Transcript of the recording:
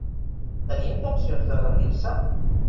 Tenia intencions de rendir-se?